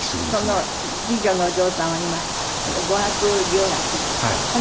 その次女のお嬢さんは今語学留学ですか？